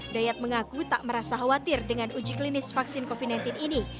dayat mengaku tak merasa khawatir dengan uji klinis vaksin covid sembilan belas ini